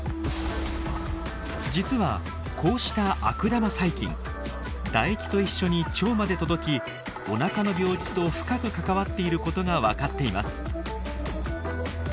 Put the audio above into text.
実はこうした悪玉細菌唾液と一緒に腸まで届きお腹の病気と深く関わっていることが分かっています。